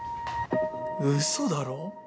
うそだろ！？